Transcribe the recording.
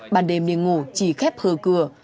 bàn đêm đi ngủ chỉ khép hờ cửa